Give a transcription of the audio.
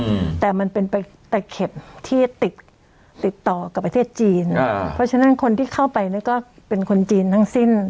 อืมแต่มันเป็นไปตะเข็บที่ติดติดต่อกับประเทศจีนอ่าเพราะฉะนั้นคนที่เข้าไปเนี้ยก็เป็นคนจีนทั้งสิ้น